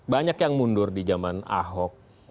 banyak yang mundur di zaman ahok